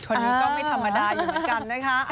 คนนี้ก็ไม่ธรรมดาอยู่เหมือนกันนะคะ